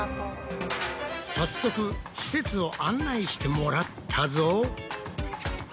早速施設を案内してもらったぞ！